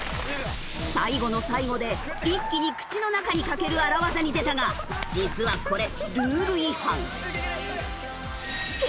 最後の最後で一気に口の中にかける荒技に出たが実はこれルール違反。